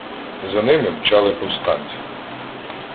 За ними мчали повстанці.